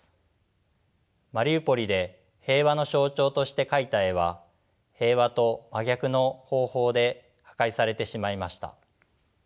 マリウポリで平和の象徴として描いた絵は平和と真逆の方法で破壊されてしまいました。